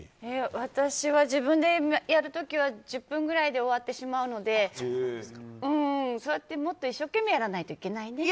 私は自分でやる時は１０分ぐらいで終わってしまうのでそうやってもっと一生懸命やらないといけないね。